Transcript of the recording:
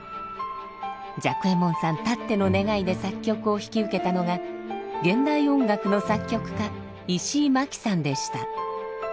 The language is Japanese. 雀右衛門さんたっての願いで作曲を引き受けたのが現代音楽の作曲家石井眞木さんでした。